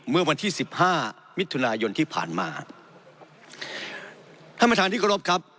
เมื่อวันที่สิบห้ามิถุนายนที่ผ่านมาท่านประธานที่เคารพครับ